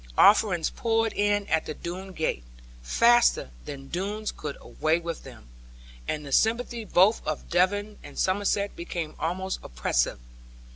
Offerings poured in at the Doone gate, faster than Doones could away with them, and the sympathy both of Devon and Somerset became almost oppressive.